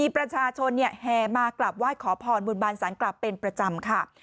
ประชาชนแห่มากราบไหว้ขอพรบุญบานสารกลับเป็นประจำค่ะ